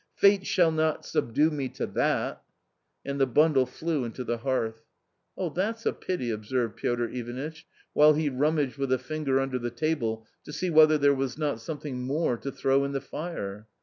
Fate shall not subdue me to that !" And the bundle flew into the hearth. "That's a pity !" observed Piotr Ivanitch, while he rummaged with a finger under the table, to see whether there was not something more to throw in the fire.